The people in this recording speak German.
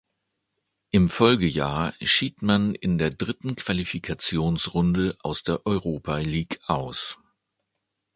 Im Folgejahr schied man in der dritten Qualifikationsrunde aus das Europa League aus.